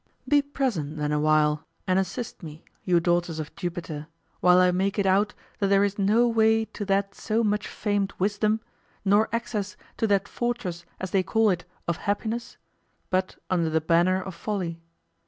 Be present then awhile, and assist me, you daughters of Jupiter, while I make it out that there is no way to that so much famed wisdom, nor access to that fortress as they call it of happiness, but under the banner of Folly.